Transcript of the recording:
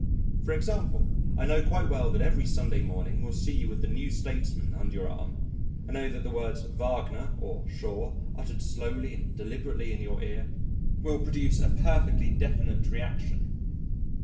For example, I know quite well that every Saturday morning will see you with The New Statesman under your arm; I know that the words 'Wagner' or 'Shaw' uttered slowly and deliberately in your ear will produce a perfectly definite reaction."